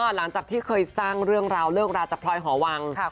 หลังจากที่เคยสร้างเรื่องราวเลิกราจากพลอยหอวัง